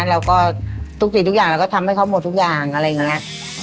เราก็ทุกสิ่งทุกอย่างเราก็ทำให้เขาหมดทุกอย่างอะไรอย่างนี้